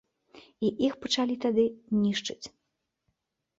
І іх пачалі тады нішчыць.